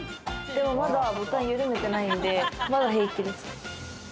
でもまだボタンゆるめてないんで、まだ平気です。